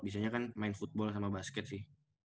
biasanya kan main football sama basket sih